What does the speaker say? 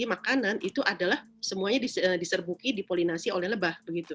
makanan itu adalah semuanya diserbuki dipolinasi oleh lebah begitu